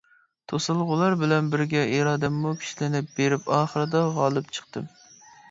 توسالغۇلار بىلەن بىرگە ئىرادەممۇ كۈچلىنىپ بېرىپ، ئاخىرىدا غالىپ چىقتىم.